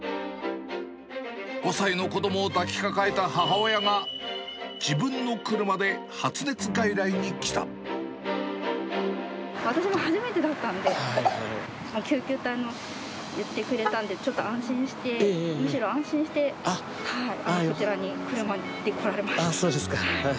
５歳の子どもを抱きかかえた母親が、私も初めてだったので、救急隊が言ってくれたので、ちょっと安心して、むしろ安心してこちらに車で来られました。